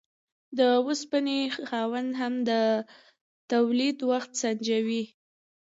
د اوسپنې خاوند هم د تولید وخت سنجوي.